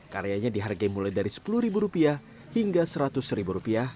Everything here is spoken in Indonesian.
karyanya dihargai mulai dari sepuluh rupiah hingga seratus rupiah